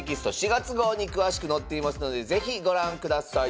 ４月号に詳しく載っていますので是非ご覧ください。